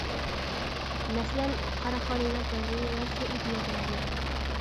مەسىلەن: قاراخانىيلار دەۋرى ۋە سەئىدىيە دەۋرى.